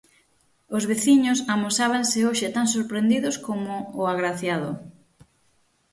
Os veciños amosábanse hoxe tan sorprendidos coma o agraciado.